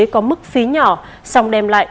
có mức phí nhỏ song đem lại